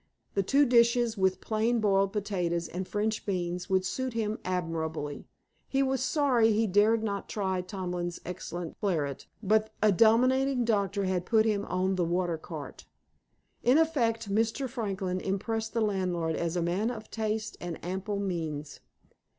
The two dishes, with plain boiled potatoes and French beans, would suit him admirably. He was sorry he dared not try Tomlin's excellent claret, but a dominating doctor had put him on the water cart. In effect, Mr. Franklin impressed the landlord as a man of taste and ample means.